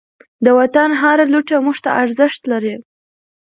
د وطن هر لوټه موږ ته ارزښت لري.